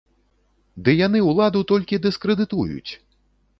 Ды яны ўладу толькі дыскрэдытуюць!